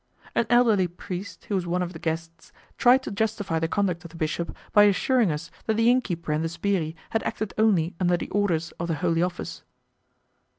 An elderly priest, who was one of the guests, tried to justify the conduct of the bishop by assuring us that the inn keeper and the 'sbirri' had acted only under the orders of the Holy Office.